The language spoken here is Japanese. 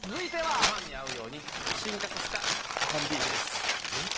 ごはんに合うように、進化させたコンビーフです。